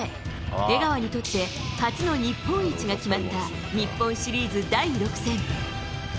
江川にとって初の日本一が決まった日本シリーズ第６戦。